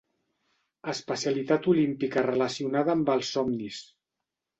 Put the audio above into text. Especialitat olímpica relacionada amb els somnis.